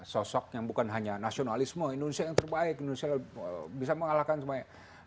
sosok yang bukan hanya nasionalisme indonesia yang terbaik indonesia bisa mengalahkan semuanya